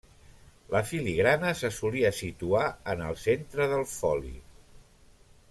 La filigrana se solia situar en el centre del foli.